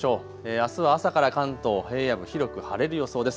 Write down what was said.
あすは朝から関東平野部、広く晴れる予想です。